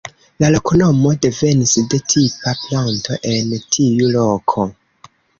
La loknomo devenis de tipa planto en tiu loko.